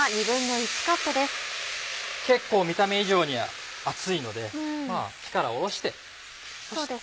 結構見た目以上に熱いので火からおろして。